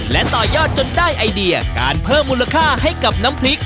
และต่อยอดจนได้ไอเดียการเพิ่มมูลค่าให้กับน้ำพริก